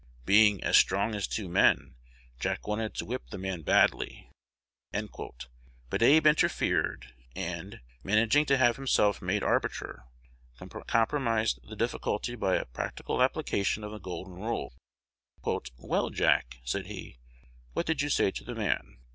Being "as strong as two men, Jack wanted to whip the man badly," but Abe interfered, and, managing to have himself made "arbitrator," compromised the difficulty by a practical application of the golden rule. "Well, Jack," said he, "what did you say to the man?"